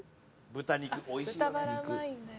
「豚肉おいしいよね」